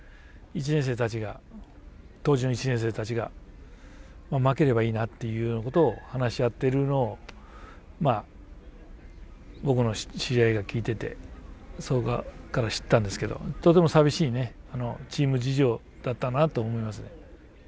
１年生たちが当時の１年生たちが「負ければいいな」というようなことを話し合っているのを僕の知り合いが聞いててそこから知ったんですけどとても寂しいチーム事情だったなと思いますね。